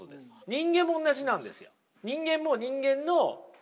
人間もおんなじなんですよ。